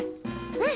うん。